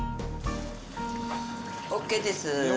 ＯＫです。